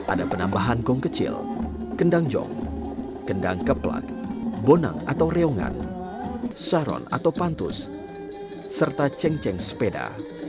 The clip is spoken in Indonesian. ada penambahan gong kecil kendang jong kendang keplak bonang atau reongan saron atau pantus serta ceng ceng sepeda